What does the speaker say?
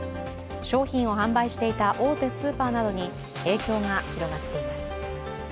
商品を販売していた大手スーパーなどに影響が広がっています。